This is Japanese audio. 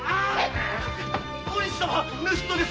小西様盗っ人です！